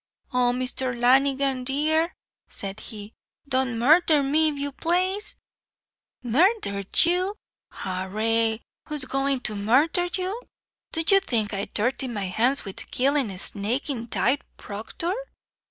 "Oh, Mr. Lanigan dear!" said he, "don't murther me, if you plaze." "Murther you! arrah, who's going to murther you? Do you think I'd dirty my hands wid killin' a snakin' tithe procthor?"